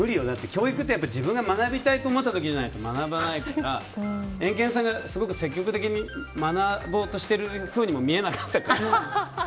教育って自分が学びたいと思った時じゃないと学ばないからエンケンさんがすごく積極的に学ぼうとしてるふうにも見えなかったから。